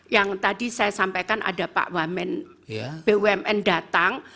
yang tadi saya sampaikan ada pak wamen bumn datang